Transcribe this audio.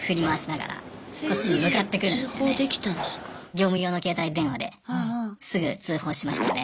業務用の携帯電話ですぐ通報しましたね。